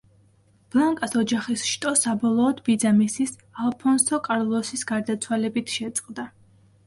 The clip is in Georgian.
ბლანკას ოჯახის შტო საბოლოოდ ბიძამისის, ალფონსო კარლოსის გარდაცვალებით შეწყდა.